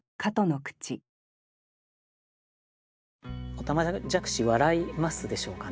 おたまじゃくし笑いますでしょうかね。